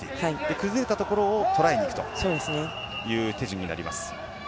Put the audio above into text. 崩れたところを捉えに行くという手順になります。